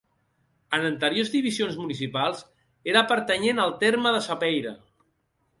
En anteriors divisions municipals era pertanyent al terme de Sapeira.